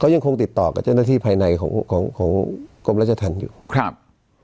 ยังคงติดต่อกับเจ้าหน้าที่ภายในของของกรมราชธรรมอยู่ครับ